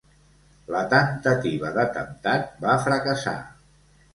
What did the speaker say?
La temptativa d'atemptat va fracassar.